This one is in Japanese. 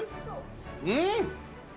うん！